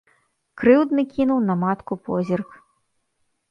Крыўдны кінуў на матку позірк.